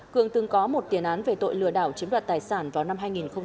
cường từng có một tiền án về tội lừa đảo chiếm đoạt tài sản vào năm hai nghìn một mươi